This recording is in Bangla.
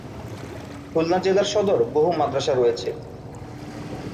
খুলনা জেলার সদর বহু মাদ্রাসা রয়েছে।